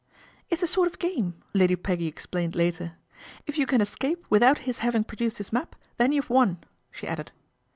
" It's a sort of game," Lady Peggy explained iter. " If you can escape without his having reduced his map, then you've won," she added.